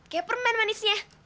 kayak permen manisnya